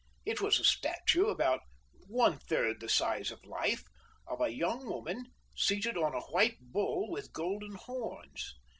It was a statue about one third the size of life, of a young woman seated on a white bull with golden horns.